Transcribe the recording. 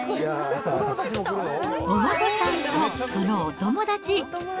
お孫さんとそのお友達。